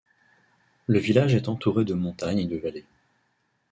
Le village est entouré de montagnes et de vallées.